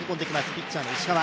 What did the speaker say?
ピッチャーの石川。